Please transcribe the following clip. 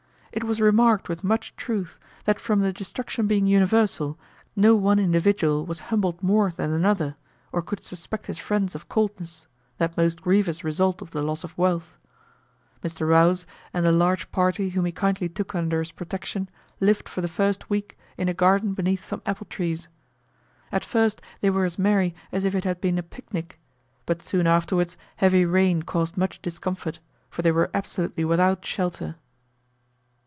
It was remarked with much truth, that from the destruction being universal, no one individual was humbled more than another, or could suspect his friends of coldness that most grievous result of the loss of wealth. Mr. Rouse, and a large party whom he kindly took under his protection, lived for the first week in a garden beneath some apple trees. At first they were as merry as if it had been a picnic; but soon afterwards heavy rain caused much discomfort, for they were absolutely without shelter.